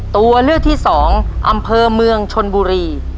ตัวเลือกที่สองอำเภอเมืองชนบุรี